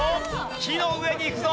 木の上に行くぞ！